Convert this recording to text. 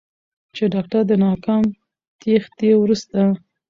چې داکتر د ناکام تېښتې وروسته